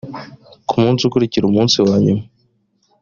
ku munsi ukurikira umunsi wa nyuma